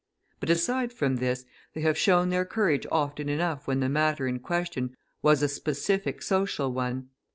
But aside from this, they have shown their courage often enough when the matter in question was a specific social one.